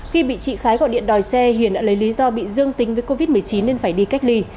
khi bị chị khái gọi điện đòi xe hiền đã lấy lý do bị dương tính với covid một mươi chín nên phải đi cách ly